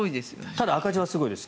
ただ、赤字はすごいです。